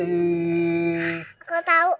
aku nggak tahu